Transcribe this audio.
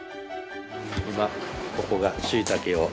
今ここがしいたけを。